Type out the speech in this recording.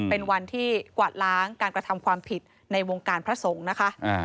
เป็นวันที่กวาดล้างการกระทำความผิดในวงการพระสงฆ์นะคะ